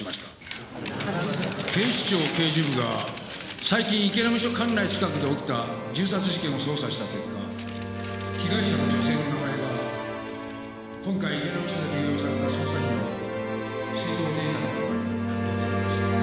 警視庁刑事部が最近池波署管内近くで起きた銃殺事件を捜査した結果被害者の女性の名前が今回池波署で流用された捜査費の出納データの中に発見されました。